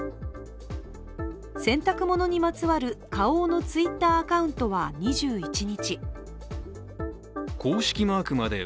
洗濯物にまつわる花王のＴｗｉｔｔｅｒアカウントは２１日